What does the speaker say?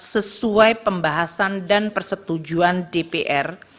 sesuai pembahasan dan persetujuan dpr